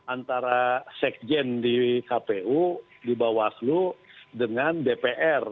antara sekjen di kpu di bawaslu dengan dpr